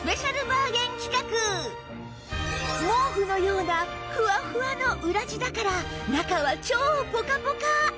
毛布のようなフワフワの裏地だから中は超ポカポカ！